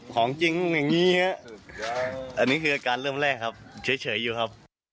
เกือบตายฮะ